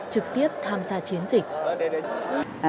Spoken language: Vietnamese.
trực tiếp tham gia chiến dịch